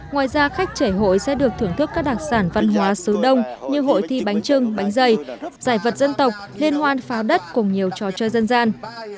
ngoài ra khách chảy hội sẽ được thưởng thức các đặc sản văn hóa xứ đông như hội thi bánh trưng bánh dày giải vật dân tộc liên hoan pháo đất cùng nhiều trò chơi dân gian